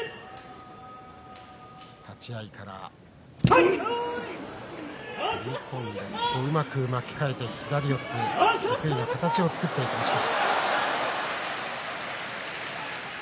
立ち合いから踏み込んでうまく巻き替えて左四つ、得意の形を作りました。